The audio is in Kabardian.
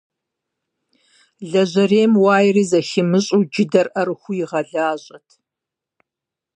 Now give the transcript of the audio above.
Лэжьэрейм уаери зыхимыщӀэу джыдэр Ӏэрыхуэу игъэлажьэрт.